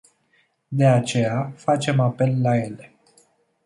De aceea facem apel la ele.